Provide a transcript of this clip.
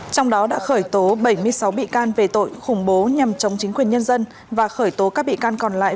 trong đó đã khởi tố bảy mươi sáu bị can về tội khủng bố nhằm chống chính quyền nhân dân và khởi tố các bị can còn lại